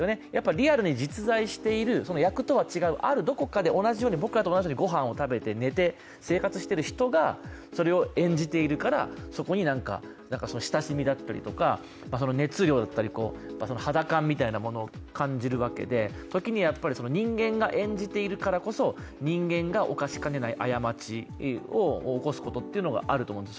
リアルに実在している、役とは違う僕らと同じようにご飯を食べて寝て、生活してる人がそれを演じているから、そこに何か親しみだったりとか、熱量だったり、肌感みたいなものを感じるわけで時に人間が演じているからこそ人間が犯しかねない過ちをおこすことがあると思うんです。